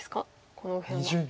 この右辺は。